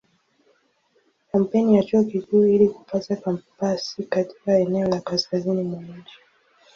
Kampeni ya Chuo Kikuu ili kupata kampasi katika eneo la kaskazini mwa nchi.